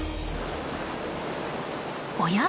おや？